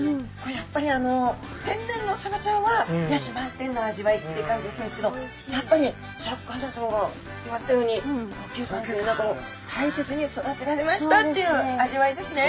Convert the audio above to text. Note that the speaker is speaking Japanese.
やっぱり天然のサバちゃんは野趣満点の味わいって感じがするんですけどやっぱりシャーク香音さまが言われたように高級感何かもう大切に育てられましたっていう味わいですね。